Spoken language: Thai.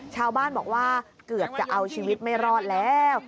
ชาวบ้านบอกว่าเกือบจะเอาชีวิตไม่รอดแล้ว